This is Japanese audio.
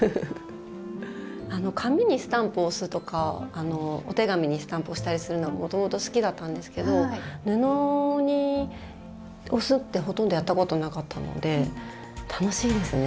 紙にスタンプを押すとかお手紙にスタンプを押したりするのがもともと好きだったんですけど布に押すってほとんどやったことなかったので楽しいですね。